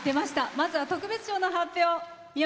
まずは特別賞の発表。